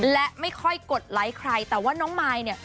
และไม่ค่อยกดไลค์ใครแต่ว่าน้องมายเนี่ย